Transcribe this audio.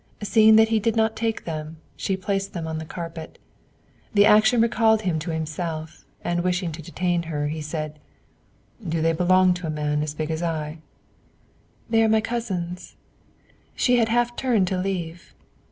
Seeing that he did not take them, she placed them on the carpet. The action recalled him to himself, and wishing to detain her, he said, "Do they belong to a man as big as I?" "They are my cousin's." She had half turned to leave.